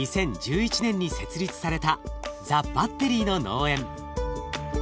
２０１１年に設立されたザ・バッテリーの農園。